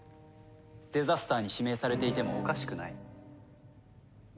デザスターに指名されていてもおかしくない。